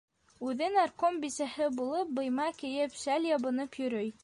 Үҙе нарком бисәһе булып, быйма кейеп, шәл ябынып йөрөй.